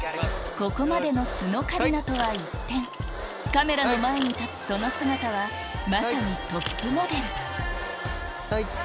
ここまでの素の香里奈とは一転カメラの前に立つその姿はまさにトップモデルはい。